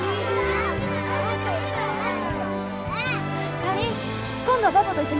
かりん今度はパパと一緒に来ようね。